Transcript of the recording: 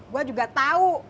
gua juga tau